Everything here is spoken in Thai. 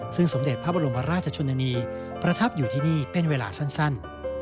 ซึ่งสมเด็จพระบรมราชชนนีประทับอยู่ที่นี่เป็นเวลาสั้น